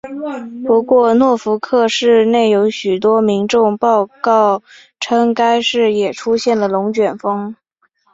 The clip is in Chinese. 不过诺福克市内有许多民众报告称该市也出现了龙卷风。